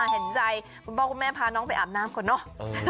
เห็นใจบอกว่าแม่พาน้องไปอาบน้ำก่อนเนอะ